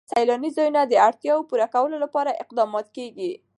د سیلاني ځایونو د اړتیاوو پوره کولو لپاره اقدامات کېږي.